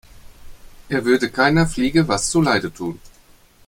Er würde keiner Fliege was zu Leide tun.